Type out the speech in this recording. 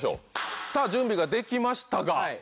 さぁ準備ができましたが。